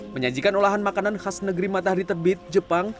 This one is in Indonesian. menyajikan olahan makanan khas negeri matahari terbit jepang